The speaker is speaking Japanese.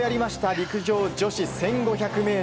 陸上女子１５００ｍ。